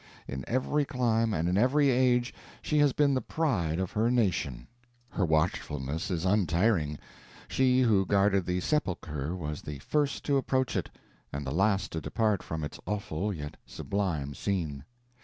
In every clime, and in every age, she has been the pride of her nation. Her watchfulness is untiring; she who guarded the sepulcher was the first to approach it, and the last to depart from its awful yet sublime scene.